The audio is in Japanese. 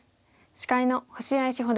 司会の星合志保です。